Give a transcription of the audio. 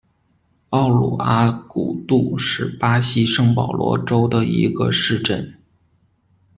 莫鲁阿古杜是巴西圣保罗州的一个市镇。